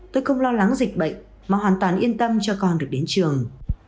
tôi không lo lắng dịch bệnh mà hoàn toàn yên tâm cho con được đến trường